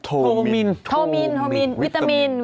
โทมินโทมินโฮมินวิตามิน